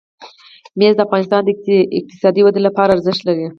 مېوې د افغانستان د اقتصادي ودې لپاره ارزښت لري.